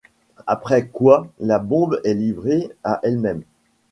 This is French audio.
Après quoi la bombe est livrée à elle-même.